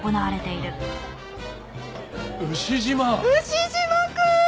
牛島くん！